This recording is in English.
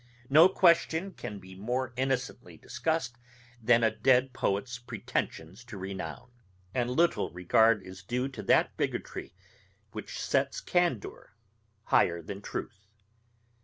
No question can be more innocently discussed than a dead poet's pretensions to renown; and little regard is due to that bigotry which sets candour higher than truth.